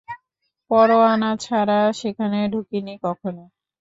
পরোয়ানা ছাড়া সেখানে ঢুকিনি কখনো।